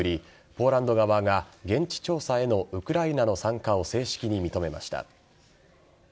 ポーランド側が現地調査へのウクライナの参加を正式に認めました。